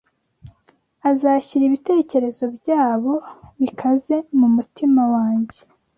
Azashyira ibitekerezo byabo bikaze mumutima wanjye